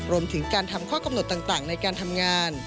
รวมถึงการทำข้อกำหนดต่างในการทำงาน